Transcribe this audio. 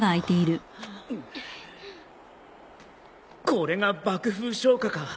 これが爆風消火か。